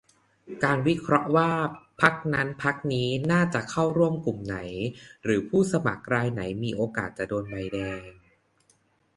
การวิเคราะห์ว่า พรรคนั้นพรรคนี้น่าจะเข้าร่วมกลุ่มไหน หรือผู้สมัครรายไหนมีโอกาสจะโดนใบแดง